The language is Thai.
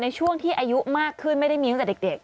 ในช่วงที่อายุมากขึ้นไม่ได้มีตั้งแต่เด็ก